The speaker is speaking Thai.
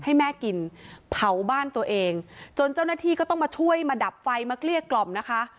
ให้แม่กินเผาบ้านตัวเองจนเจ้าหน้าที่ก็ต้องมาช่วยมาดับไฟมาเกลี้ยกล่อมนะคะ